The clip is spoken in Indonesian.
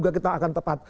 kita akan tepat